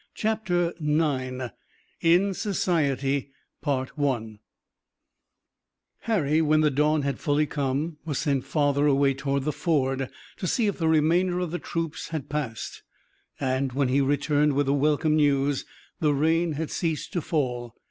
CHAPTER IX IN SOCIETY Harry, when the dawn had fully come, was sent farther away toward the ford to see if the remainder of the troops had passed, and, when he returned with the welcome news, the rain had ceased to fall.